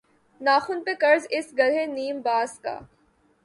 ناخن پہ قرض اس گرہِ نیم باز کا